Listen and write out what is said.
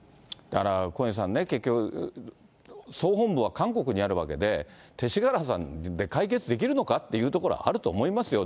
だから小西さんね、結局、総本部は韓国にあるわけで、勅使河原さんで解決できるのかというところはあると思いますよ。